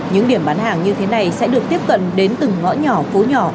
những điểm bán hàng như thế này sẽ được tiếp cận đến từng ngõ nhỏ phố nhỏ